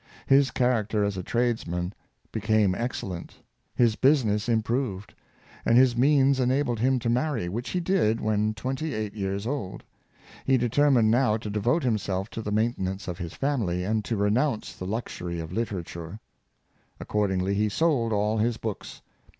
His character as a tradesman be ing excellent, his business improved, and his means ena bled him to marry, which he did when twenty eight years old. He determined now to devote himself to the maintenance of his family, and to renounce the lux Professor Lee. 325 ury of literature. Accordingly he sold all his books.